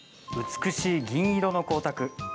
美しい銀色の光沢。